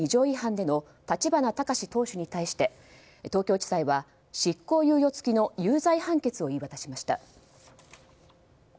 違反での立花孝志党首に対して東京地裁は執行猶予つきの有罪判決を言い渡しました。